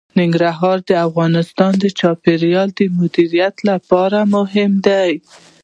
ننګرهار د افغانستان د چاپیریال د مدیریت لپاره مهم دي.